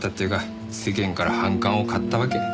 世間から反感を買ったわけ。